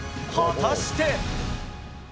果たして？